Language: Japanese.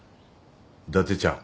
伊達ちゃん。